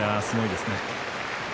すごいですね。